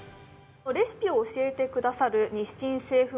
レシピを教えてくださる日清製粉